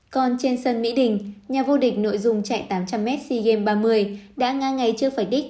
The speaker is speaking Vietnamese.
còn trên sân mỹ đình nhà vô địch nội dung chạy tám trăm linh m sea games ba mươi đã ngã ngay trước phạch đích